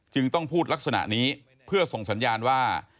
ต้องพูดลักษณะนี้เพื่อส่งสัญญาณว่า